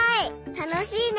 たのしいね！